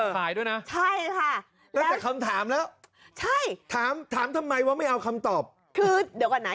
ถ้าเกิดมีตำรวจแบบนี้หรือที่แบบนี้